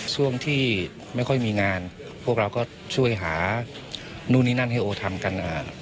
ช่วงที่ไม่ค่อยมีงานพวกเราก็ช่วยหานู่นนี่นั่นให้โอทำกัน